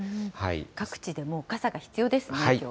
各地でもう傘が必要ですね、きょうは。